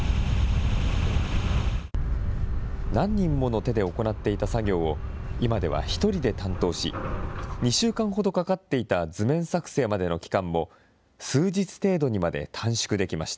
何人もの手で行っていた作業を、今では１人で担当し、２週間ほどかかっていた図面作成までの期間も、数日程度にまで短縮できました。